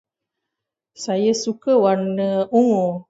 Saya suka warna ungu.